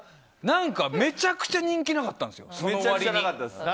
何か、めちゃくちゃ人気なかったんです、その割に。